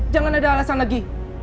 jangan ada alasan lagi